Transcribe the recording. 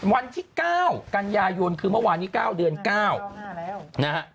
วันที่๙กันยายนคือเมื่อวานนี้๙เดือน๙นะฮะ